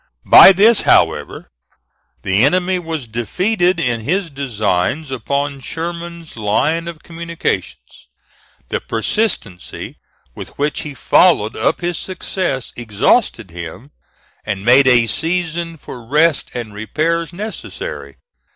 By this, however, the enemy was defeated in his designs upon Sherman's line of communications. The persistency with which he followed up this success exhausted him, and made a season for rest and repairs necessary.